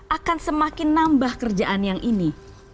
akan semakin nambah kerjaan yang ini